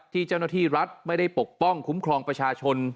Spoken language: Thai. เจ้าหน้าที่รัฐไม่ได้ปกป้องคุ้มครองประชาชน